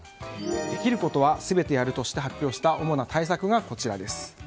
できることはすべてやるとして発表した主な対策がこちらです。